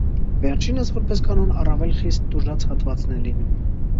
Վերջինս, որպես կանոն, առավել խիստ տուժած հատվածն է լինում։